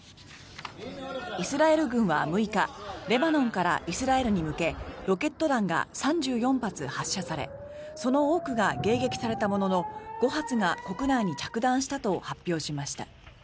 イスラエル軍は６日レバノンからイスラエルに向けロケット弾が３４発発射されその多くが迎撃されたものの５発が国内に着弾したと発表しました。